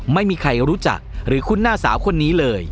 ไม่มีใครรู้จักหรือคุ้นหน้าสาวคนนี้เลย